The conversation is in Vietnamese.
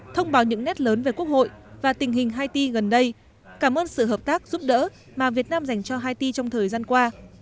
thông báo những nét lớn về quốc hội và tình hình haiti gần đây cảm ơn sự hợp tác giúp đỡ mà việt nam dành cho haiti trong thời gian qua